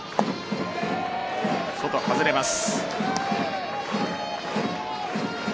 外、外れます。